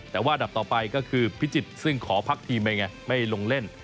แต่ว่าอันดับต่อไปก็คือพิจิตรซึ่งขอพักทีมไปไงไม่ลงเล่น